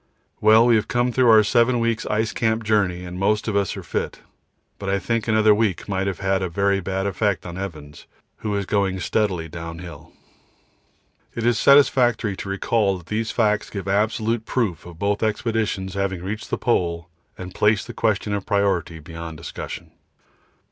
Well, we have come through our 7 weeks' ice camp journey and most of us are fit, but I think another week might have had a very bad effect on Evans, who is going steadily downhill. It is satisfactory to recall that these facts give absolute proof of both expeditions having reached the Pole and placed the question of priority beyond discussion.